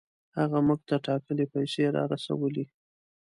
هغه موږ ته ټاکلې پیسې را رسولې.